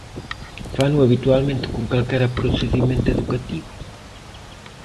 ¿Fano habitualmente con calquera procedemento educativo?